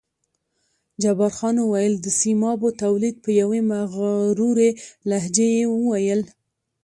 جبار خان وویل: د سیمابو تولید، په یوې مغرورې لهجې یې وویل.